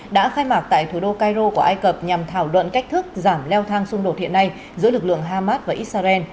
đã khai mạc tại thủ đô cairo của ai cập nhằm thảo luận cách thức giảm leo thang xung đột hiện nay giữa lực lượng hamas và israel